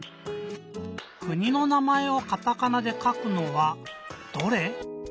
くにの名まえをカタカナでかくのはどれ？